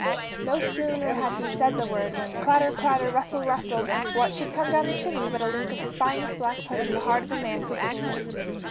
No sooner had he said the word, when clatter, clatter, rustle, rustle, what should come down the chimney but a link of the finest black pudding the heart of man could wish for.